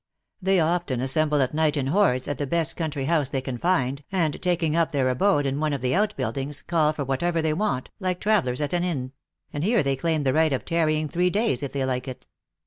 They often assemble at night in hordes, at the best country house they can find, and taking up their abode in one of the out buildings, call for whatever they want, like travelers #t an inn; and here they claim the right of tarrying three days, if they like it.